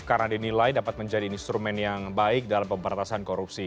karena dinilai dapat menjadi instrumen yang baik dalam pemberatasan korupsi